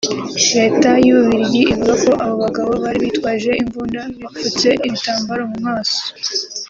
Leta y’u Bubiligi ivuga ko abo bagabo bari bitwaje imbunda bipfutse ibitambaro mu maso